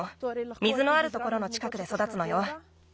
水のあるところのちかくでそだつのよ。